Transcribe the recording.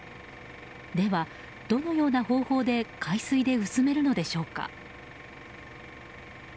では、どのような方法で海水で薄めるのでしょうか。